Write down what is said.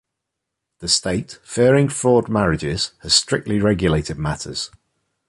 The state, fearing fraud marriages, has strictly regulated matters.